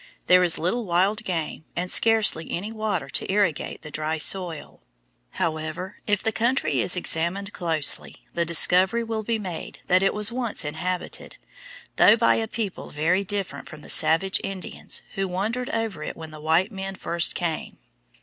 There is little wild game and scarcely any water to irrigate the dry soil. However, if the country is examined closely, the discovery will be made that it was once inhabited, though by a people very different from the savage Indians who wandered over it when the white men first came.